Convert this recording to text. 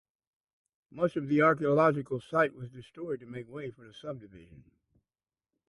Much of the archaeological site was destroyed to make way for the subdivision.